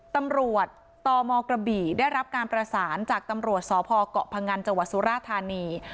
ตำรวจตมกระบี่ได้รับการประสานจากตำรวจสพเกาะพงันจังหวัดสุราธานี